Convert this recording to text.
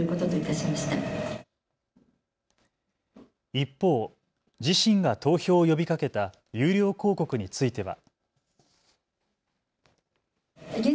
一方、自身が投票を呼びかけた有料広告については。